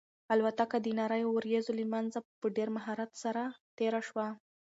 الوتکه د نريو وريځو له منځه په ډېر مهارت سره تېره شوه.